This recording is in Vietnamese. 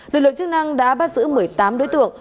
lực lượng chức năng đã bắt giữ một mươi tám đối tượng